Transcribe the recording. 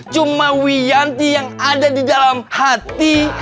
cuma wiyanti yang ada di dalam hati